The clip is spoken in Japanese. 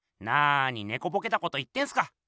なにねこぼけたこと言ってんすか！